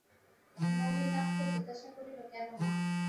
নলিনাক্ষ জিজ্ঞাসা করিল, কেন মা?